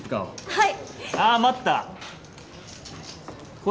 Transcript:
はい。